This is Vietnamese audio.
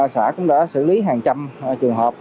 xã cũng đã xử lý hàng trăm trường hợp